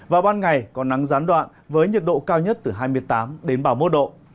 vào ban ngày có nắng gián đoạn với nhiệt độ cao nhất từ hai mươi tám đến ba mươi một độ